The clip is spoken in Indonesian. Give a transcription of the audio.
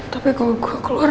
tapi kalau gue keluar